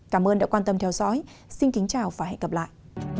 cảm ơn đã quan tâm theo dõi xin kính chào và hẹn gặp lại